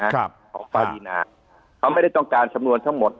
ของปารีนาเขาไม่ได้ต้องการสำนวนทั้งหมด